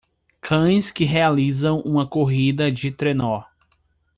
Cães que realizam uma corrida de trenó